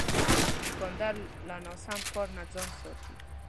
دوکاندار له ناسم کار نه ځان ساتي.